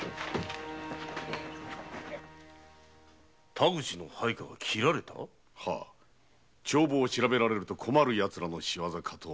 田口の配下が斬られたはぃ帳簿を調べられると困るヤツらの仕業かと。